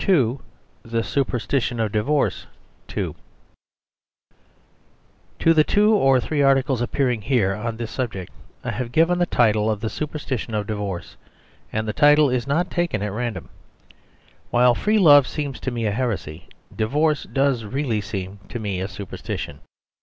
— The Superstition of Divorce TO the two or three articles appearing here on this subject I have given the title of the Superstition of Divorce ; and the title is not taken at ran dom. While free love seems to me a heresy, divorce does really seem to me a superstition.